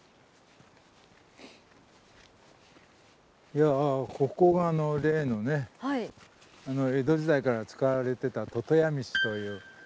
いやここが例のね江戸時代から使われてた魚屋道という。